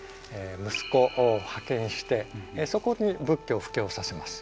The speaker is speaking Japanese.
息子を派遣してそこに仏教を布教させます。